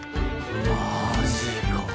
マジか。